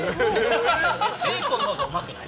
ベーコンのほうがうまくない？